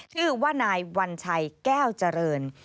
ชื่อว่านายวัญชัยแก้วเจริญ